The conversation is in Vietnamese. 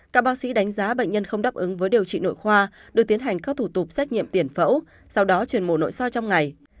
các bác sĩ đánh giá bệnh nhân không đáp ứng với điều trị nội khoa được tiến hành các thủ tục xét nghiệm tiền phẫu sau đó chuyển mổ nội soi trong ngày